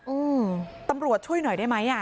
อืมตำรวจช่วยหน่อยได้ไหมอ่ะ